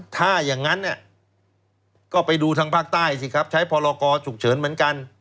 ถ้าอย่างนั้นก็ไปดูทางภาคใต้สิครับใช้พรกรฉุกเฉินเหมือนกัน